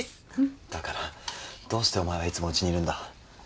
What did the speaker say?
だからどうしてお前はいつもうちにいるんだ？